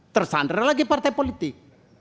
tersandra lagi partai politik